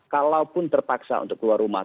kalaupun terpaksa untuk keluar rumah